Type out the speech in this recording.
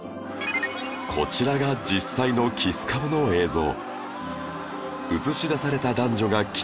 こちらが実際のキスカムの映像